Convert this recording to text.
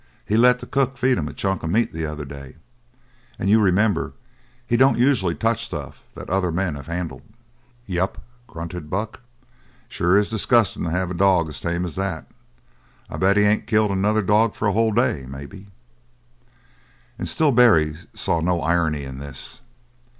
He let the cook feed him a chunk o' meat the other day; and you remember he don't usually touch stuff that other men have handled." "Yep," grunted Buck, "it's sure disgustin' to have a dog as tame as that. I'd bet he ain't killed another dog for a whole day, maybe!" And still Barry saw no irony in this.